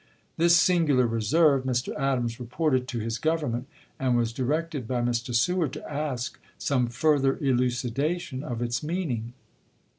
This singular reserve Mr. Adams reported to his Government, and was directed by Mr. Sew ard to ask some further elucidation of its meaning.